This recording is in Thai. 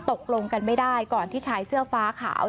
ตกลงกันไม่ได้ก่อนที่ชายเสื้อฟ้าขาว